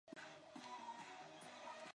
此棋组善于斜行攻击。